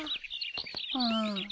うん。